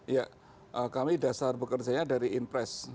ya kami dasar bekerjanya dari impress